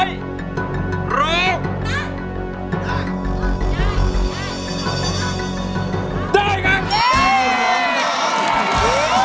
โอ้โห